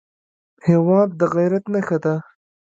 هېواد د غیرت نښه ده.